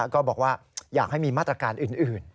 ก็บอกว่าอยากให้มีมาตรการอื่น